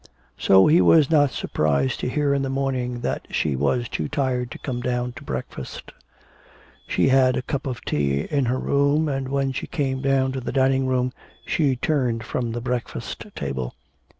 So he was not surprised to hear in the morning that she was too tired to come down to breakfast; she had a cup of tea in her room, and when she came down to the dining room she turned from the breakfast table.